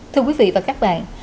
thưa quý vị và các bạn